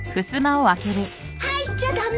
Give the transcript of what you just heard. ・入っちゃ駄目！